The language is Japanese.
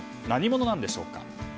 何者なんでしょうか。